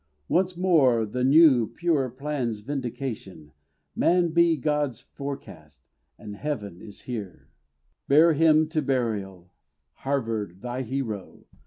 Once more the new, purer plan's vindication, Man be God's forecast, and Heaven is here. Bear him to burial, Harvard, thy hero!